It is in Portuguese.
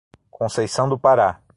Conceição do Pará